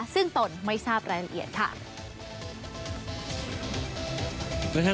ซึ่งตนไม่ทราบรายละเอียดค่ะ